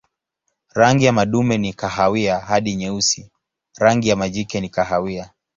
Rangi ya madume ni kahawia hadi nyeusi, rangi ya majike ni kahawia.